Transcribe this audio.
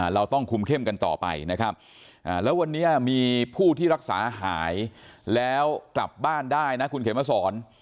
เราต้องคุมเข้มกันต่อไปนะครับแล้ววันนี้มีผู้ที่รักษาหายแล้วกลับบ้านได้นะคุณเขมสอน